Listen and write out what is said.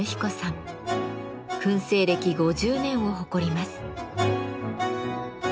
燻製歴５０年を誇ります。